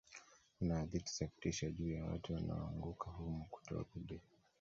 kuna hadithi za kutisha juu ya watu wanaoanguka humo kutorudi